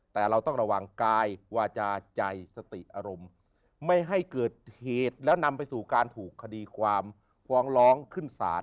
แต่เราต้องระวังกายวาจาใจสติอารมณ์ไม่ให้เกิดเหตุแล้วนำไปสู่การถูกคดีความฟ้องร้องขึ้นศาล